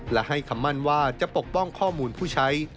และให้คำมั่นว่าจะปกป้องข้อมูลผู้ใช้